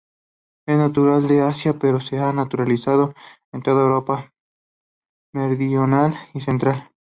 Es natural de Asia pero se ha naturalizado en toda Europa meridional y central.